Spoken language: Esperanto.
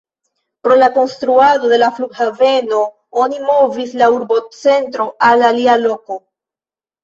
Pro la konstruado de la flughaveno, oni movis la urbocentron al alia loko.